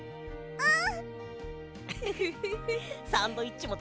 うん！